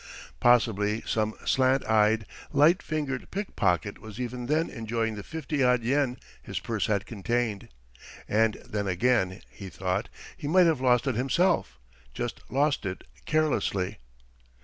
Possibly some slant eyed, light fingered pickpocket was even then enjoying the fifty odd yen his purse had contained. And then again, he thought, he might have lost it himself, just lost it carelessly.